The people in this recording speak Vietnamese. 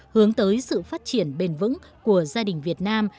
hướng tới sự phát triển bền vững của gia đình việt nam